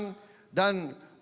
lrt di jawa tenggara